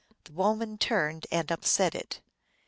The woman turned, and upset it.